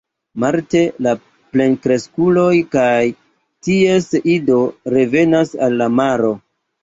Marte la plenkreskuloj kaj ties ido revenas al la maro.